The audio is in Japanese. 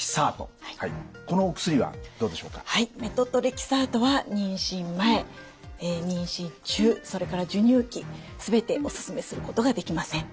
メトトレキサートは妊娠前妊娠中それから授乳期全ておすすめすることができません。